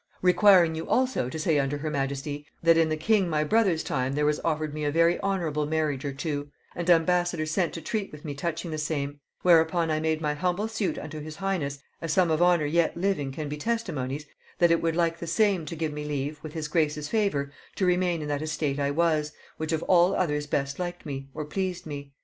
Requiring you also to say unto her majesty, that in the king my brother's time there was offered me a very honorable marriage, or two; and ambassadors sent to treat with me touching the same; whereupon I made my humble suit unto his highness, as some of honor yet living can be testimonies, that it would like the same to give me leave, with his grace's favor, to remain in that estate I was, which of all others best liked me, or pleased me.